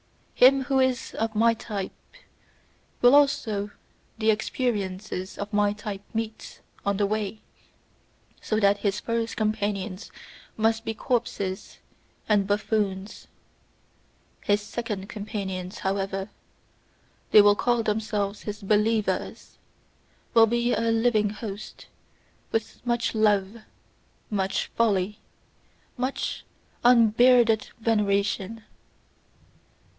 Him who is of my type, will also the experiences of my type meet on the way: so that his first companions must be corpses and buffoons. His second companions, however they will call themselves his BELIEVERS, will be a living host, with much love, much folly, much unbearded veneration.